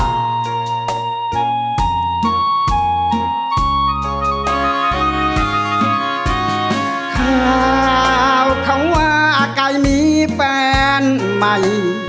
ข่าวคำว่าไก่มีแฟนใหม่